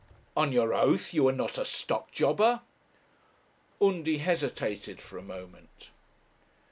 'On your oath, you are not a stock jobber?' Undy hesitated for a moment.